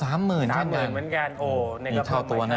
๓๐๐๐๐บาทเหมือนกันโอ้โหเนี่ยก็เพิ่มใหม่เท่าตัวนะ